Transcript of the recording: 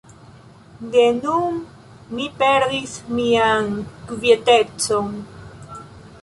De nun, mi perdis mian kvietecon.